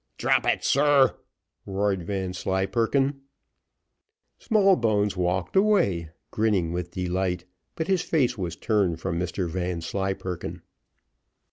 "Drop it, sir," roared Vanslyperken. Smallbones walked away, grinning with delight, but his face was turned from Mr Vanslyperken.